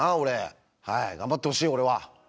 はい頑張ってほしい俺は。